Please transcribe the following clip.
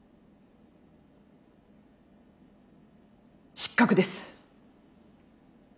失格です。